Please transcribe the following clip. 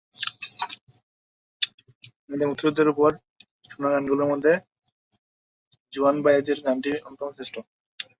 আমাদের মুক্তিযুদ্ধের ওপর শোনা গানগুলোর মধ্যে জোয়ান বায়েজের গানটি অন্যতম শ্রেষ্ঠ।